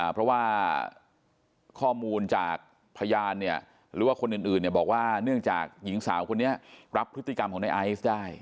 เพราะว่าข้อมูลจากพยานเนี่ยหรือว่าคนอื่นบอกว่าเนื่องจากหญิงสาวคนนี้รับพฤติกรรมของในไอซ์ได้